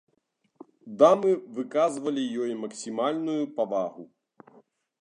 Дамы выказвалі ёй максімальную павагу.